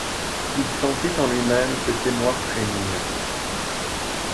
Il sentit en lui-même cet émoi frémir.